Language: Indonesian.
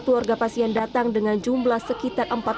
keluarga pasien datang dengan jumlah sekitar